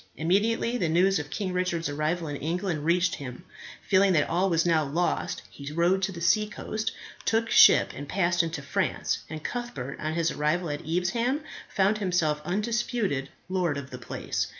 Immediately the news of King Richard's arrival in England reached him, feeling that all was now lost, he rode to the seacoast, took ship, and passed into France, and Cuthbert, on his arrival at Evesham, found himself undisputed lord of the place.